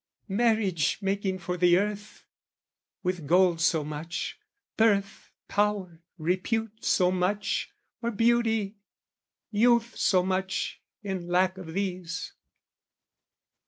Marriage making for the earth, With gold so much, birth, power, repute so much, Or beauty, youth so much, in lack of these!